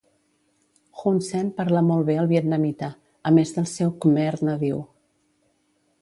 Hun Sen parla molt bé el vietnamita, a més del seu khmer nadiu.